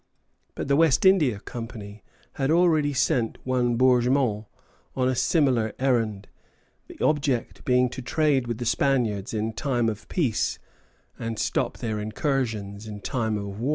But the West India Company had already sent one Bourgmont on a similar errand, the object being to trade with the Spaniards in time of peace, and stop their incursions in time of war.